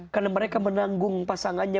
karena mereka menanggung pasangannya